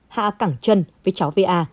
hạ cẳng chân với cháu v a